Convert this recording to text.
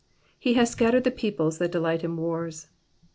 — He hath scattered the peoples that delight in wars.